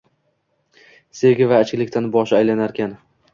sevgi va ichkilikdan boshi aylanarkan.